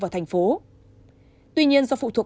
và thành phố tuy nhiên do phụ thuộc